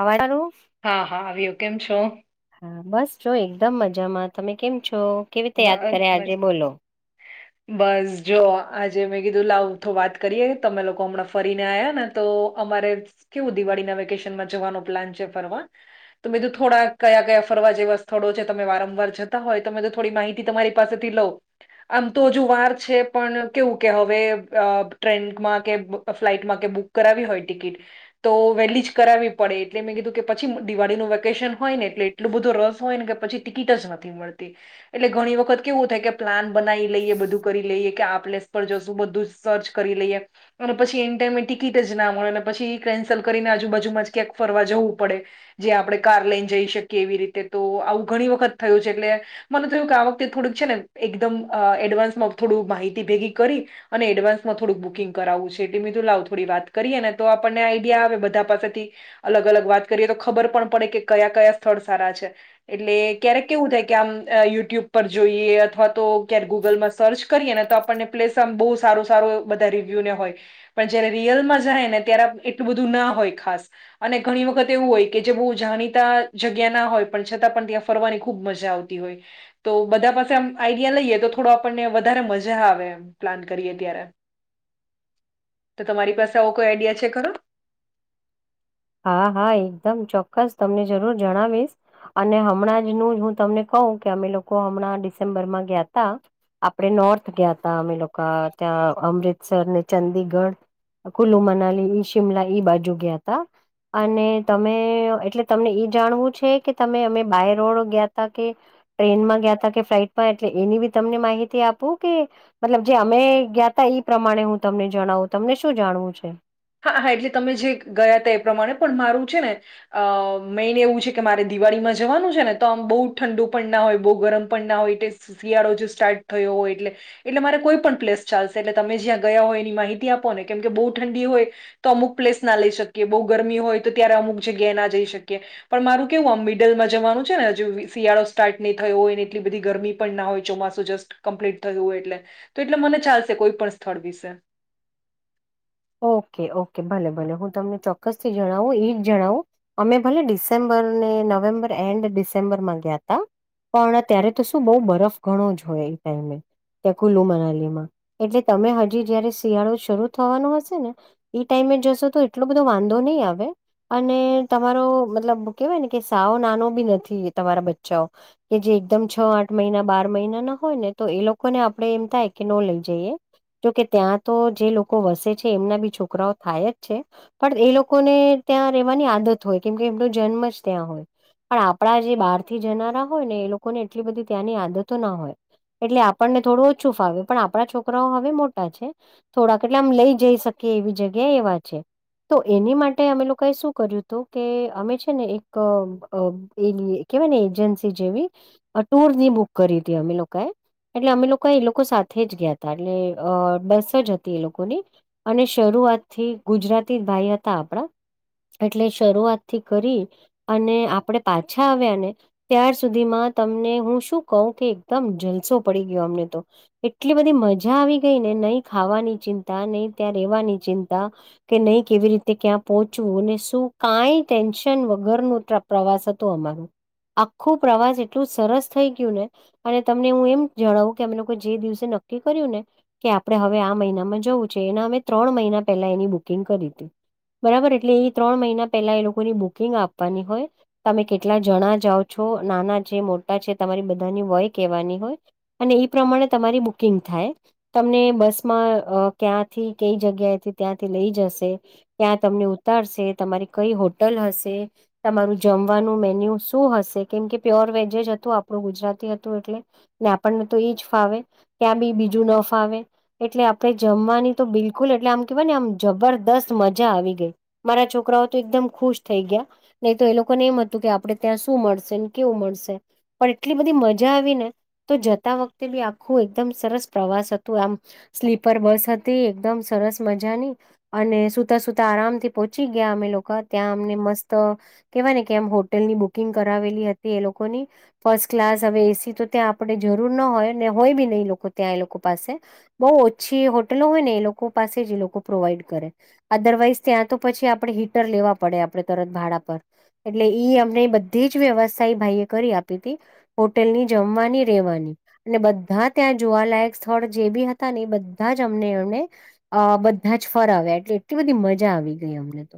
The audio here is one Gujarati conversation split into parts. અવાજું હા હા આવ્યો કેમ છો. હા બસ જો એકદમ મજામાં તમે કેમ છો. કેવી બસ રીતે યાદ કર્યા મજામાં આજે [inaudible] બસ જો આજે મેં કીધું લાવ તો વાત કરીએ તમે લોકો હમણાં ફરીને આવ્યા ને તો અમારે કેવું દિવાળીના વેકેશનમાં જવાનો પ્લાન છે ફરવા. તો બીધું થોડા કયા કયા ફરવા જેવા સ્થળો છે તમે વારંવાર જતા હોય તોમે. થોડી માહિતી તમારી પાસેથી લોવ. આમ તો હજુ વાર છે, પણ કેવું કે હવે ટ્રેનમાં કે ફ્લાઈટમાં કે બુક કરાવી હોય ટિકિટ. તો વહેલી જ કરાવવી પડે એટલે મેં કીધું કે પછી દિવાળીનું વેકેશન હોય ને એટલે એટલું બધું રસ હોય ને કે પછી ટિકિટ જ નથી મળતી. એટલે ઘણી વખત કેવું થાય કે પ્લાન બનાવી લઈએ બધું કરી લઈએ કે આપ પ્લેસ પર જશું બધું સર્ચ કરી લઈએ અને પછી એને ટાઈમે ટિકિટ જ ના મળે અને પછી કેન્સલ કરીને આજુબાજુમાં જ ક્યાંક ફરવા જવું પડે જે આપણે કાર લઈને જઈ શકીએ એવી રીતે તો આવું ઘણી વખત થયું છે એટલે મને થયું કે, આ વખતે થોડુંક છે ને, એકદમ એડવાન્સમાં થોડું માહિતી ભેગી કરી. અને એડવાન્સમાં થોડુંક બુકિંગ કરાવવું છે, એટલે લાવ થોડી વાત કરીએ ને, તો આપણને આઈડિયા આવે બધા પાસેથી. અલગ અલગ વાત કરીએ તો ખબર પણ પડે કે, કયા કયા સ્થળ સારા છે. એટલે ક્યારેક એવું થાય કે, આમ યુટ્યુબ પર જોઈએ અથવા તો ક્યારે ગૂગલમાં સર્ચ કરીએ ને, તો આપણને પ્લેસ બહુ સારું સારું, બધા રિવ્યુ ને હોય. પણ જયારે રિયલમાં જાય ને, ત્યારે એટલું બધું ના હોય ખાસ. અને ઘણી વખત એવું હોય કે, જે બહુ જાણીતા જગ્યા ના હોય, પણ છતાં પણ ત્યાં ફરવાની ખુબ મજા આવતી. તો બધા પાસે આમ આઈડિયા લઈએ તો થોડો આપણને વધારે મજા આવે. પ્લાન કરીએ ત્યારે. [unintelligible] તો તમારી પાસે આવો કોઈ આઈડિયા છે ખરો? હા, હા. એકદમ ચોક્કસ તમને જરૂર જણાવીશ. અને હમણાં જ નું, હું તમને કહું કે અમે લોકો હમણાં ડિસેમ્બરમાં ગયા હતા. આપણે નોર્થ ગયા હતા ને, અમે લોકો ત્યાં અમૃતસર ને ચંદીગઢ. કુલ્લુ મનાલી, ઈ શિમલા ઈ બાજુ ગયા હતા. અને તમે, એટલે તમને ઈ જાણવું છે કે તમે અમે બાય રોડ ગયા હતા કે? ટ્રેનમાં ગયા હતા કે ફ્લાઈટમાં? એટલે એની બી તમને માહિતી આપું કે. મતલબ, જે અમે ગયા હતા એ પ્રમાણે હું તમને જણાવું. તમને શું જાણવું છે? હા, હા, એટલે તમે જે ગયા હતા એ પ્રમાણે પણ મારું છે ને. અ મેઇન એવું છે કે, મારે દિવાળીમાં જવાનું છે ને. તો આમ બહુ ઠંડુ પણ ના હોય, બહુ ગરમ પણ ના હોય, શિયાળો જ સ્ટાર્ટ થયો હોય એટલે. એટલે મારે કોઈ પણ પ્લેસ ચાલશે. એટલે તમે જ્યાં ગયા હોય એની માહિતી આપો ને, કેમ કે બહુ ઠંડી હોય તો અમુક પ્લેસ ના લઈ શકીએ, બહુ ગરમી હોય તો ત્યારે અમુક જગ્યાએ ના જઈ શકીએ. પણ મારું કેવું, આમ મિડલમાં જવાનું છે ને. હજી શિયાળો સ્ટાર્ટ નહીં થયો હોય ને, એટલી બધી ગરમી ના હોય, ચોમાસું જ કમ્પ્લીટ થયું હોય એટલે તો. એટલે મને ચાલશે કોઈ પણ સ્થળ વિશે ઓકે, ઓકે. ભલે, ભલે. હું તમને ચોક્કસથી જણાવું, એ જ જણાવું. અમે ભલે ડિસેમ્બરને નવેમ્બર એન્ડ ડિસેમ્બરમાં ગયા હતા. પણ અત્યારે તો શું, બઉ બરફ ઘણો જ હોય એ ટાઈમે? ત્યાં કુલ્લુ મનાલી માં એટલે તમે હજી જયારે શિયાળો શરૂ થવાનું હશે. ને એ ટાઈમે જશો તો એટલો બધો વાંધો નહીં આવે. અને તમારો મતલબ કેવાય ને કે, સાવ નાનો બી નથી તમારા બચ્ચાઓ. કે જે એકદમ છ-આઠ મહિના બાર મહિના ના હોય ને, તો એ લોકોને આપણે એમ થાય કે ન લઈ જઈએ. જોકે ત્યાં તો જે લોકો વસે છે, એમના બી છોકરાઓ થાય જ છે. પણ એ લોકોને ત્યાં રહેેવાની આદત હોય, કેમકે એમનો જન્મ જ ત્યાં હોય. પણ આપણા જે બહાર થી જનારા હોય ને, એ લોકોને એટલી બધી ત્યાંની આદતો ના હોય. એટલે આપણને થોડું ઓછું ફાવ્યું, પણ આપણા છોકરાઓ હવે મોટા છે થોડાક. એટલે આમ લઈ જઈ શકીએ એવી જગ્યા એવા છે. તો એની માટે અમે લોકોએ શું કર્યું હતું કે, અમે છે ને એક એ કેવાય ને, એજન્સી જેવી ટુર ની બુક કરી હતી અમે લોકોએ. એટલે અમે લોકો એ લોકો સાથે જ ગયા હતા, એટલે અ બસ જ હતી એ લોકોની. અને શરૂઆત થી ગુજરાતી ભાઈ હતા આપણા. એટલે શરૂઆત થી કરી અને આપણેે પાછા આવ્યા ને. ત્યાર સુધીમાં તમને હું શું કહું કે, એકદમ જલસો પડી ગયો અમને તો. એટલી બધી મજા આવી ગઈ ને, નહીં ખાવાની ચિંતા, નહીં ત્યાં રેવાની ચિંતા. કે નહીં, કેવી રીતે ક્યાં પહોંચવું ને શું.. કંઈ ટેન્શન વગરનું ત. પ્રવાસ હતો અમારો. આખું પ્રવાસ એટલું સરસ થઈ ગયું ને. અને તમને હું એમ જણાવું કે, એ લોકો કો જે દિવસે નક્કી કર્યું ને કે આપણે હવે આ મહિનામાં જવું છે એના અમે ત્રણ મહિના પહેલા એની બુકિંગ કરી હતી. બરાબર એટલે એ ત્રણ મહિના પેલા એ લોકોની બુકિંગ આપવાની હોય તમે કેટલા જણા જાઓ છો નાના છે મોટા છે તમારી બધાની વોય કેહેવાની હોય. અને એ પ્રમાણે તમારી બુકિંગ થાય તમને બસમાં ક્યાંથી કઈ જગ્યાએથી ત્યાંથી લઈ જશે ત્યાં તમને ઉતારશે તમારી કઈ હોટલ હશે? તમારું જમવાનું મેન્યુ શું હશે કેમ કે પ્યોર વેજજ હતું આપણું ગુજરાતી હતું એટલે. ને આપણને તો એજ ફાવે ત્યાં બી બીજું ન ફાવે એટલે આપણે જમવાની તો બિલકુલ એટલે આમ કેવાય ને આમ જબરદસ્ત મજા આવી ગઈ. મારા છોકરાઓ તો એકદમ ખુશ થઈ ગયા. નહી તો એ લોકોને એમ હતું કે આપડણે ત્યાં શું મળશે કેવું મળશે? પણ એટલી બધી મજા આવી ને! તો જતા વખતે બી આખું એકદમ સરસ પ્રવાસ હતું આમ સ્લી પર બસ હતી એકદમ સરસ મજાની. અને સુતા સુતા આરામથી પહોંચી ગયા અમે લોકો ત્યાં અમને મસ્ત કેવાય ને કે એમ હોટેલ ની બુકિંગ કરાવેલી હતી એ લોકોની. ફર્સ્ટ ક્લાસ હવે એસી તો ત્યાં આપણે જરૂર ના હોય ને હોય બી નહીં લોકો ત્યાં એ લોકો પાસે. બહુ ઓછી હોટલો હોય ને એ લોકો પાસે જ એ લોકો પ્રોવાઈડ કરે. અદરવાઈઝ ત્યાં તો પછી આપણે હીટર લેવા પડે આપણે તરત ભાડા પર. એટલે ઈ અમને બધી જ વ્યવસ્થા એ ભાઈ એ કરી આપી હતી. હોટેલ ની જમવાની રહેેવાની. અને બધા ત્યાં જોવાલાયક સ્થળ જે બી હતા ને બ બધા જ અમને એમને બધા જ ફર આવ્યા એટલે એટલી બધી મજા આવી ગઈ અમને.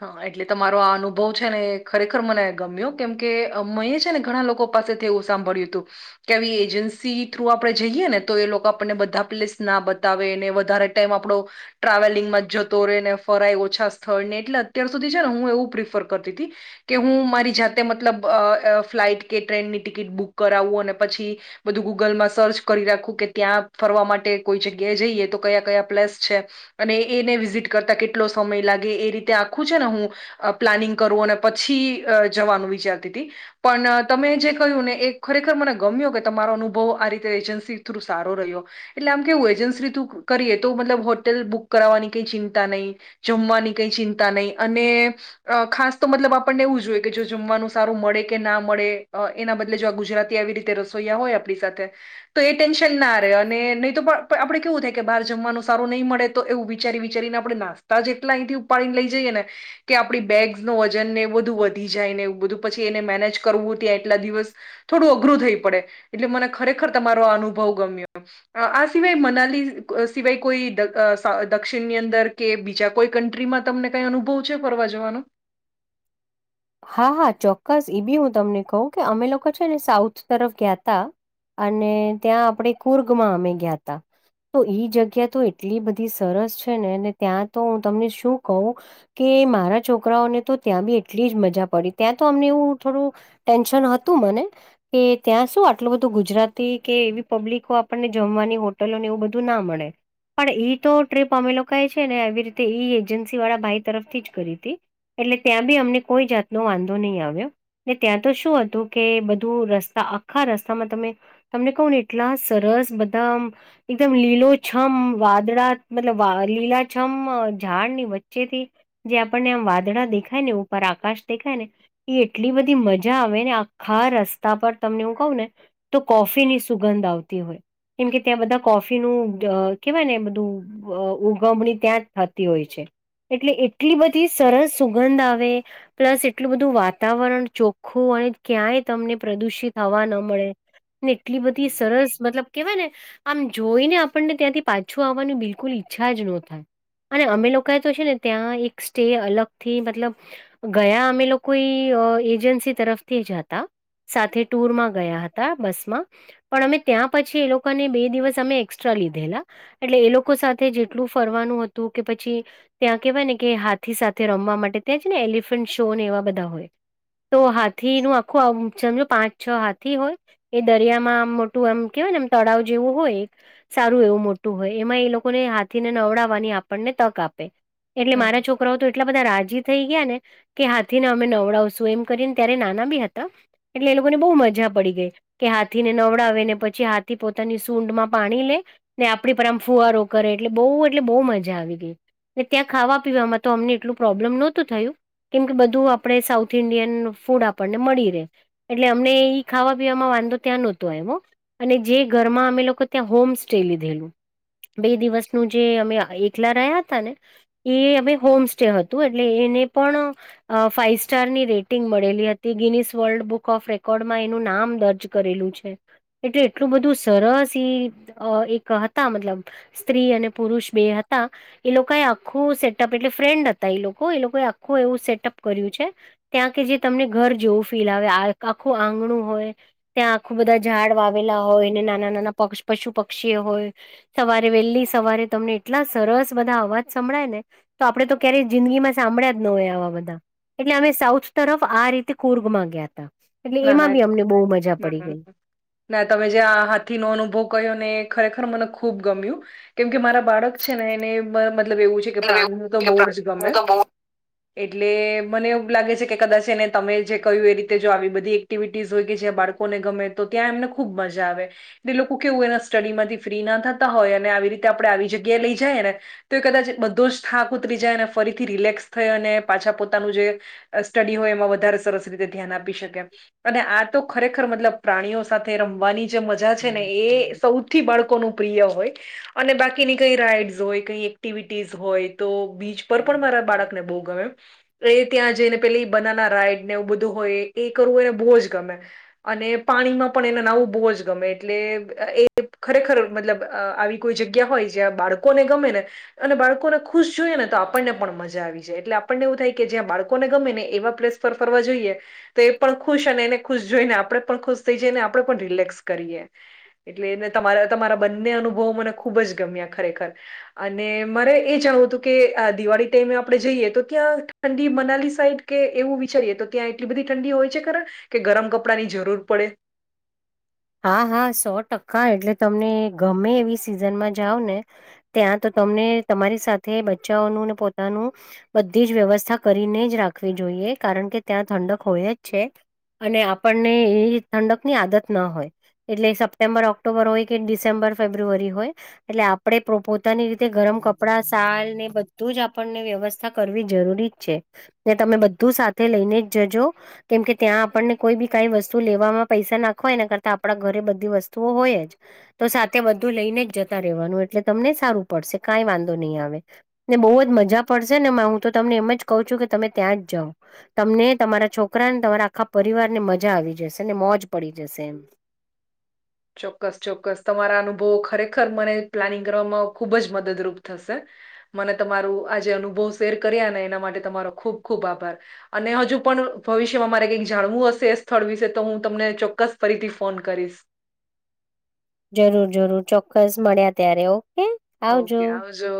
હા એટલે તમારો આ અનુભવ છે ને એ ખરેખર મને ગમ્યો કેમ કે મં છે ને ઘણા લોકો પાસેથીવું સાંભળ્યું હતું. કે આવી એજન્સી થ્રુ આપડણે જઈએ ને તો એ લોકો આપણને બધા પ્લેસ ના બતાવે એને વધારે ટમ આપડો ટ્રાવેલિંગ માં જતો રહે ને ફરાય ઓછા સ્થળ ને એટલે અત્યાર સુધી છે ને હું એવું પ્રિફર કરતી હતી. કે હું મારી જાતે મતલબ ફ્લાઈટ કે ટ્રેનની ટિકિટ બુક કરાવવું અને પછી બધું ગૂગલમાં સર્ચ કરી રાખું કે ત્યાં ફરવા માટે કોઈ જગ્યાએ જઈએ તો કયા કયા પ્લેસ છે? અને એને વિઝિટ કરતા કેટલો સમય લાગે એ રીતે ત્યા આખું છે ને હું પ્લાનિંગ કરું અને પછી જવાનું વિચારતી હતી. પણ તમે જે કહ્યું ને એ ખરેખર મને ગમ્યો કે તમારો અનુભવ આ રીતે એજન્સી થ્રુ સારો રહ્યો. એટલે આમ કેવું એજન્સી રીતું કરીએ તો મતલબ હોટેલ બુક કરાવવાની કઈ ચિંતા નહીં. જમવાની કઈ ચિંતા નહી અને અ ખાસ તો મતલબ આપણને એવું જોઈએ કે જો જમવાનું સારું મળે કે ના મળે. એના બદલે જો આ ગુજરાતી આવી રીતે રસોઈયા હોય આપણી સાથે તો એ ટેન્શન ના આવે અને નહી તો પણ આપડણે કેવું થાય કે બહાર જમવાનું સારુ નહીં મળે તો એવુ વિચારી વિચારીને આપણે નાસ્તા જેટલા અહીંથી ઉપાડીને લઈ જઈએ ને. કે આપણી બેગ્સ નું વજનને બધું વધી જાય ને બધું પછી એને મેનેજ કરવું ત્યાં એટલા દિવસ થોડું અઘરું થઈ પડે એટલે મને ખરેખર તમારો આ અનુભવ ગમ્યો. આ સિવાય મનાલી સિવાય કોઈ દક્ષિણની અંદર કે બીજા કોઈ કન્ટ્રીમાં તમને કઈ અનુભવ છે ફરવા જવાનો? હા હા ચોક્કસ એ બી હું તમને કહું કે અમે લોકો છે ને સાઉથ તરફ ગયાતા. અને ત્યાં આપણે કુર્ગમાં અમે ગયા તા. તો ઈ જગ્યા તો એટલી બધી સરસ છે નેને ત્યાં તો હું તમને શું કહું! કે મારા છોકરાઓને તો ત્યાં બી એ એટલી જ મજા પડી ત્યાં તો અમને એવું થોડું ટેન્શન હતું મને. કે ત્યાં શું આટલું બધું ગુજરાતી કે એવી પબ્લિકો આપણને જમવાની હોટલો ને એવું બધું ના મળે. પણ ઈ તો ટ્રીપ અમે લોકોએ છે ને એ રીતે ઈ એજન્સી વાળા ભાઈ તરફથી જ કરી હતી. એટલે ત્યાં બી અમને કોઈ જાતનો વાંધો નહીં આવ્યો ને ત્યાં તો શું હતું કે બધું રસ્તા આખા રસ્તામાં તમે તમને કહ ને એટલા સરસ બધા. એકદમ લીલોછમ વાદળા મતલબ લીલાછમ ઝાડની વચ્ચેથી જે આપણને આમ વાદળા દેખાય નેવ પર આકાશ દેખાય ને એ એટલી બધી મજા આવે ને આખા રસ્તા પર તમને હું કહું ને તો કોફી ની સુગંધ આવતી હોય. કેમ કે ત્યાં બધા કોફી નું કેવાય ને બધું ઉગમણી ત્યાં જ થતી હોય છે, એટલે એટલી બધી સરસ સુગંધ આવે પ્લસ એટલું બધું વાતાવરણ ચોખ્ખું અને ક્યાંય તમને પ્રદુષિત હવા ન મળે ને એટલી બધી સરસ મતલબ કેવાય ને આમ જોઈ ને આપણને ત્યાંથી પાછું આવવાની બિલકુલ ઈચ્છા જ ન થાય. અને અમે લોકોએ તો છેને, ત્યાં એક સ્ટે અલગ થી મતલબ ગયા અમે લોકો એજન્સી તરફથી જાતા સાથે ટુરમાં ગયા હતા, બસમા પણ અમે ત્યાં પછી એ લોકોને બે દિવસ અમે એક્સ્ટ્રા લીધેલા એટલે એ લોકો સાથે જેટલું ફરવાનું હતુ, કે પછી ત્યાં કેવાય ને કે હાથી, સાથે રમવા માટે ત્યાં છેને એલફ એવા બધા હોય તો હાથી, આખુંજો પાંચ છ હાથી હોય એ દરિયામાં આમ મોટું એમ કેહેવાય ને એમ તળાવ જેવું હોય, એક સારું એવું મોટું હોય એમાં એ લોકોને હાથીને નવડાવવાની આપણને તક આપે એટલે હમ. મારા છોકરાઓ તો એટલા બધા રાજી થઈ ગયા, ને કે હાથીને અમે નવડાવશું એમ કરીને ત્યારે નાના બી હતા એટલે એ લોકો ને બહુ મજા પડી ગઈ. કે હાથીને નવડાવે ને પછી હાથી પોતાની સૂડમાં પાણી લે ને આપડી પર આમ ફુવારો કરે એટલે બહુ એટલે બહુ મજા આવી ગઈ. ને ત્યાં ખાવા પીવામાં તો અમને એટલું પ્રોબ્લેમ નહો, તુ થયુ. કેમ કે બધું આપડે સાઉથ ઇન્ડિયન ફૂડ આપણને મળી રહે. એટલે અમને ઈ ખાવા પીવાવામાં વાંધો ત્યાં ન હોતો હો એમ અને જે ઘરમાં અમે લોકો ત્યાં હોમ, સ્ટે લીધેલુ બે દિવસનું જે અમે એકલા રહ્યા, હતા ને એ અમે હોમ સ્ટે હતુ, એટલે એને પણ ફાઇવ સ્ટાર ની રેટિંગ મળેલી હતી ગિનીસ વર્લ્ડ બુક ઓફ રેકોર્ડમાં એનું નામ દર્જ કરેલું છે એટલે એટલું બધું સરસ ઈ એક હતા મતલબ સ્ત્રી અને પુરુષ બે હતા. એ લોકોએ આખું સેટઅપ એટલે ફ્રેન્ડ હતા એ લોકો એ લોકોએ આખું એવું સેટઅપ કર્યું છે. ત્યાં કે જે તમને ઘર જેવું ફીલ, આવે આ આખું આંગણુ હોય. ત્યાં આખું બધા ઝાડ વાવેલા હોય ને નાના નાના પશુ પક્ષી હોય. સવારે વહેલી સવારે તમને એટલા સરસ બધા અવાજ સંભળાય ને તો આપડે તો ક્યારેય જિંદગીમાં સાંભળ્યા ન આવા બધા એટલે અમે સાઉથ તરફ આ રીતે કુર્ગ માં ગયા ત એટલે ના એમાં ના બી અમને બહુ મજા હમ પડી હમ. ગઈ. ના તમે જે આ હાથી નો અનુભવ ક્યો ને ખરેખર મને ખુબ ગમ્યુ કેમ કે મારા બાળક છે ને એને મતલબ એવું છે, કે પ્રાણનું તો ગઈ. બહુ જ ગમે એટલે મને એવું લાગે છે કે કદાચ એને તમે જે કહ્યું એ રીતે જો આવી બધી બધી એક્ટિવિટીઝ હોય કે જ્યાં બાળકોને ગમે તો ત્યાં એમને ખુબ મજા આવે એટલે લોકો કેવું એના સ્ટડીમાંથી ફ્રી ના થતા હોય અને આવી રીતે આપણે આવી જગ્યાએ લઈ જઈએ ને તો એ કદાચ બધો જ થાક ઉતરી જાય અને ફરીથી રિલેક્સ થઈ અને પાછા પોતાનું જે સ્ટડી હોય, એમાં વધારે સરસ રીતે ધ્યાન આપી શકેમ અને આ તો ખરેખર મતલબ પ્રાણીઓ સાથે રમવાની જે મજા છેને, એ સૌ થી બાળકોનું પ્રિય હોય. અને બાકીની કઈ રાઈડ્સ હોય કઈ એક્ટિવિટીઝ હોય, તો બીચ. પર પણ મારા બાળકને બહુ ગમે એ ત્યાં જઈને પેલી બનાના રાઈડ ને એવું બધું હોય. કરવું એને બોજ ગમે અને પાણીમાં પણ એને નાવું બહુ જ ગમે એટલે એ ખરેખર મતલબ આવી કોઈ જગ્યા હોય જ્યાં બાળકોને ગમે ને અને બાળકોને ખુશ જોઈએ ને તો આપણને પણ મજા આવી જાય એટલે આપણને એવું થાય કે જ્યાં બાળકોને ગમે ને એવા પ્લસ ફર ફરવા જોઈએ તો એ પણ ખુશ અને એને ખુશ જોઈને આપડણે પણ ખુશ થઈ જઈએ અને આપડણે પણ રિલેક્સ કરીએ એટલે તમારા તમારા બંને અનુભવો મને ખુબ જ ગમ્યા ખરેખર અને મારે એ ચાવું હતું કે દિવાળી ટાઈમે આપડણે જઈએ તો ત્યાં ઠંડી મનાલી સાઈડ કે એવું વિચારીએ તો ત્યાં એટલી બધી ઠંડી હોય છે ખણ કે ગરમ કપડાંની જરૂર પડે હા હા સો ટકા એટલે તમને ગમે એવી સિઝનમાં જાાવ ને ત્યાં તો તમને તમારી સાથે બચ્ચાઓનું ને પોતાનું બધી જ વ્યવસ્થા કરીને જ રાખવી જોઈએ કારણ કે ત્યાં ઠંડક હોય જ છે અને આપણને એ ઠંડક ની આદત ના હોય એટલે સપ્ટેમ્બર ઓક્ટોબર હોય કે ડિસેમ્બર ફેબ્રુઆરી હોય એટલે આપણેે પોતાની રીતે ગરમ કપડા શાલ ને બધું જ આપણને વ્યવસ્થા કરવી જરૂરી જ છે ને તમે બધું સાથે લઈને જ જજો કેમ કે ત્યાં આપણને કોઈ બી કઈ વસ્તુ લેવામાં પૈસા નાખોયના કરતા આપણા ઘરે બધી વસ્તુઓ હોય જ તો સાથે બધું લઈને જ જતા રહેવાનું એટલે તમને સારું પડશે કાંઈ વાંધો નહીં આવે ને બહુ જ મજા પડશે ને હું તો તમને એમ જ કહ છું કે તમે ત્યાં જ જાાવ તમને તમારા છોકરાને તમારા આખા પરિવારને મજા આવી જશે ને મોજ પડી જશે એમ ચોક્કસ ચોક્કસ તમારા અનુભવો ખરેખર મને પ્લાનિંગ કરવામાં ખુબ જ મદદરૂપ થશે મને તમારું આજ અનુભવ શેર કર્યા ને એના માટે તમારો ખુબ ખુબ આભાર અને હજુ પણ ભવિષ્યમાં મારે કઈક જાણવું હશે એ સ્થળ વિશે તો હું તમને ચોક્કસ ફરીથી ફોન કરીશ જરૂર જરૂર ચોક્કસ મળ્યા ત્યારે ઓકે ઓકે આવજો